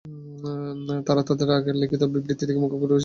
তাঁরা তাঁদের আগের লিখিত বিবৃতি থেকে মুখ ঘুরিয়ে সরকারের বৈরী হন।